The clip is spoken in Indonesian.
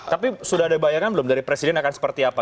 tapi sudah ada bayangan belum dari presiden akan seperti apa